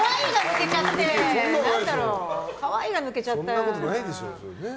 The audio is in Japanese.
そんなことないでしょ。